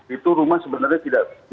itu rumah sebenarnya tidak